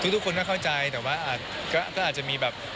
ทุกคนก็เข้าใจแต่ว่าก็อาจจะมีแบบ